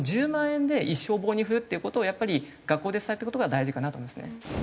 １０万円で一生を棒に振るっていう事をやっぱり学校で伝えていく事が大事かなと思うんですよね。